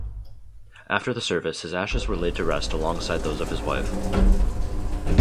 After the service, his ashes were laid to rest alongside those of his wife.